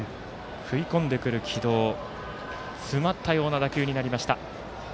食い込んでくる軌道つまったような打球になりました。